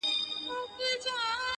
د بنو څښتنه په ارامه نه وي.